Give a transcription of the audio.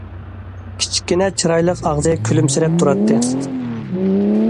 كىچىككىنە چىرايلىق ئاغزى كۈلۈمسىرەپ تۇراتتى.